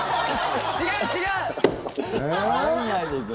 違う、違う。